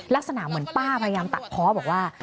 ลักษณะเหมือนป้าพยายามตัดเพาะบอกว่า